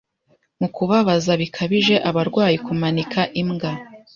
Mu kubabaza bikabije abarwayi kumanika imbwa